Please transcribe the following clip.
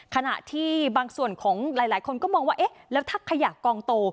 ขณะที่บางส่วนของหลายคนก็มองว่าเอ๊ะแล้วถ้าขยะกองโต